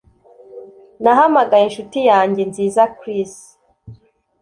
Nahamagaye inshuti yanjye nziza Chris